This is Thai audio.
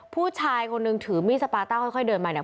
ผู้ชายคนนึงถือมีดสปาต้าค่อยเดินมาเนี่ย